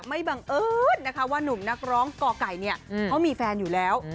ไม่บังเอิญนะคะว่านุ่มนักร้องกกเขามีแฟนอยู่แล้ว